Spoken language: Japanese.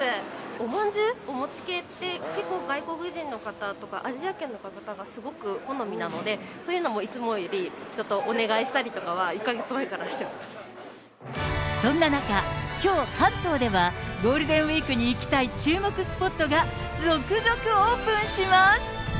おまんじゅう、お餅系って結構、外国人の方とか、アジア圏の方がすごく好みなので、そういうのもいつもよりちょっとお願いしたりとかは、１か月前かそんな中、きょう、関東ではゴールデンウィークに行きたい注目スポットが続々オープンします。